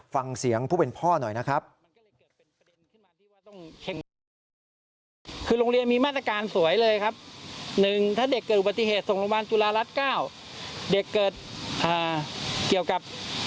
ฟังเสียงผู้เป็นพ่อหน่อยนะครับ